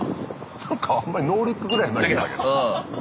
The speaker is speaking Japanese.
なんかあんまりノールックぐらい投げてたけど。